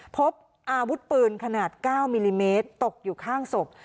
พบอาวุธปืนขนาด๙มิลลิเมตรตกอยู่ข้างศพ